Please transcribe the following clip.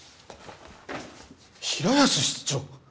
平安室長！？